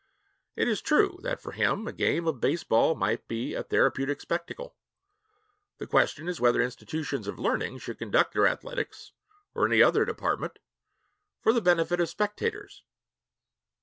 It is true that for him a game of baseball may be a therapeutic spectacle. The question is whether institutions of learning should conduct their athletics or any other department for the benefit of spectators.